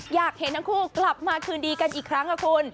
อยากเห็นทั้งคู่กลับมาคืนดีกันนะครับ